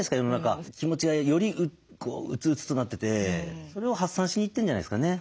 気持ちがより鬱々となっててそれを発散しに行ってんじゃないですかね。